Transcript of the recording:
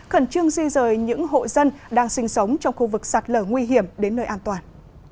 khẩn trương di rời những hộ dân đang sinh sống trong khu vực sạt lở nguy hiểm đến nơi an toàn